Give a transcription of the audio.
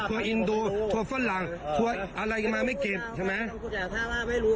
ถั่วอินโดถั่วฝรั่งถั่วอะไรก็มาไม่เก็บใช่ไหมถ้าว่าไม่รู้